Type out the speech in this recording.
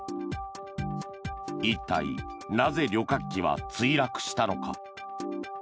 一体、なぜ旅客機は墜落したのか。